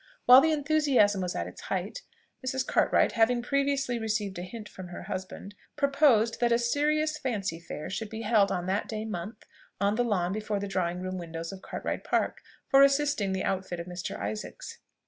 While the enthusiasm was at its height, Mrs. Cartwright, having previously received a hint from her husband, proposed that a serious fancy fair should be held on that day month, on the lawn before the drawing room windows of Cartwright Park, for assisting the outfit of Mr. Isaacs.